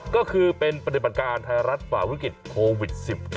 ก็คือเป็นปฏิบัติการไทยรัฐฝ่าวิกฤตโควิด๑๙